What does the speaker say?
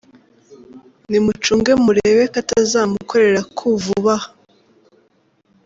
Nimucunge murebe ko atazamukorera coup vuba aha.